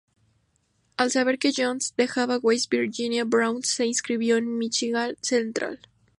Al saber que Jones dejaba West Virginia, Brown se inscribió en Michigan Central.